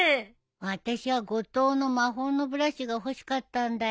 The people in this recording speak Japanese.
あたしは５等の魔法のブラシが欲しかったんだよ。